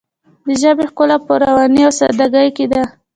د ژبې ښکلا په روانۍ او ساده ګۍ کې ده.